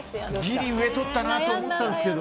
ギリ上とったなと思ったんですけど。